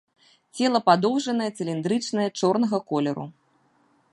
Цела падоўжанае, цыліндрычнае, чорнага колеру.